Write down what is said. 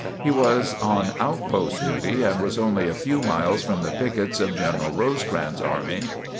He was on outpost duty and was only a few miles from the pickets of General Rosecrans' army.